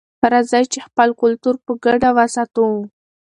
راځئ چې خپل کلتور په ګډه وساتو.